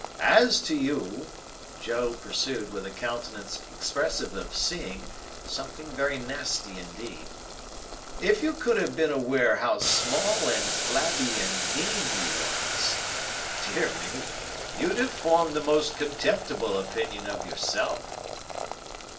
As to you," Joe pursued with a countenance expressive of seeing something very nasty indeed, "if you could have been aware how small and flabby and mean you was, dear me, you'd have formed the most contemptible opinion of yourself!"